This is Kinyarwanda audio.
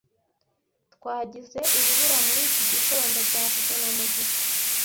Twagize urubura muri iki gitondo byavuzwe na mugisha